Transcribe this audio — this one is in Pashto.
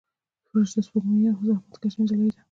فرشته سپوږمۍ یوه زحمت کشه نجلۍ ده.